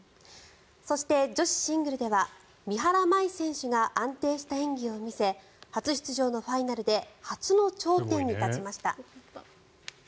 そして、女子シングルでは三原舞依選手が安定した演技を見せ初出場のファイナルで初の頂点に立ちました。